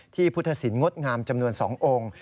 พุทธศิลปดงามจำนวน๒องค์